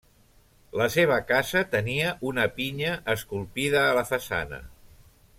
La seva casa tenia una pinya esculpida a la façana.